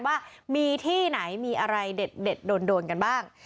ว่าที่ไหนมีอะไรเด็ดโดน